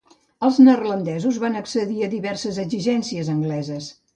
Els neerlandesos van accedir a diverses exigències angleses.